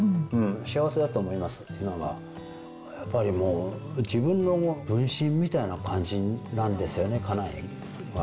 幸せだと思います、今が、やっぱりもう、自分の分身みたいな感じなんですよね、家内は。